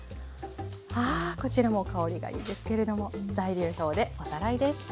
こちらも香りがいいですけれども材料表でおさらいです。